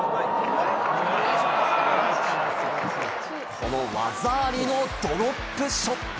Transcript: この技ありのドロップショット。